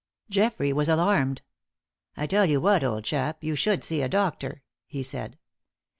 Geoffrey was alarmed. "I tell you what, old chap, you should see a doctor," he said.